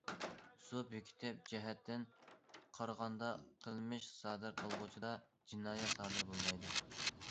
سۇبيېكتىپ جەھەتتىن قارىغاندا، قىلمىش سادىر قىلغۇچىدا جىنايەت سادىر بولمايدۇ.